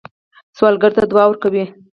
سوالګر ته دعا ورکوئ